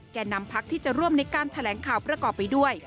แก่นำพักที่จะร่วมในการแถลงข่าวประกอบไปด้วย